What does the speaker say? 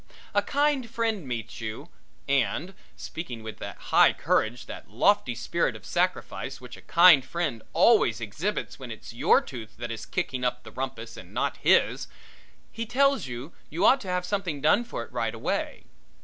A kind friend meets you, and, speaking with that high courage and that lofty spirit of sacrifice which a kind friend always exhibits when it's your tooth that is kicking up the rumpus and not his, he tells you you ought to have something done for it right away.